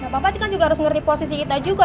pak pac juga harus ngerti posisi kita juga